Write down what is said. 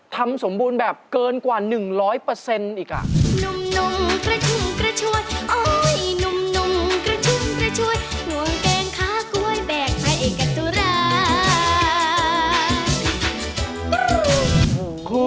ทำสมบูรณ์แบบเกินกว่า๑๐๐อีก